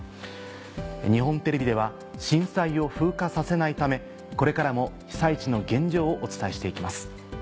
日本テレビでは震災を風化させないためこれからも被災地の現状をお伝えしていきます。